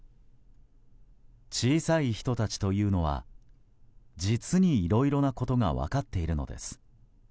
小さい人たちというのは実にいろいろなことが分かっているのです。